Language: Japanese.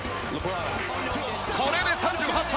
これで３８歳。